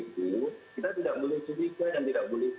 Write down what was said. sudah sanksi pidana di dalam undang undang yang tersepertasi